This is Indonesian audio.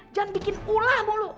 jangan bikin ulah mulu